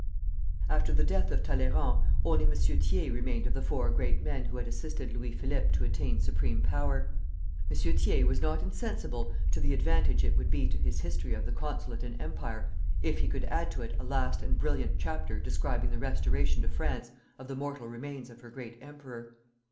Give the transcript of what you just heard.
After the death of Talleyrand, only M. Thiers remained of the four great men who had assisted Louis Philippe to attain supreme power. M. Thiers was not insensible to the advantage it would be to his History of the Consulate and Empire, if he could add to it a last and brilliant chapter describing the restoration to France of the mortal remains of her great emperor.